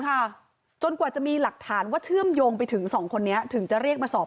ค่ะจนกว่าจะมีหลักฐานว่าเชื่อมโยงไปถึงสองคนนี้ถึงจะเรียกมาสอบ